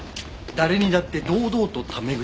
誰にだって堂々とタメ口。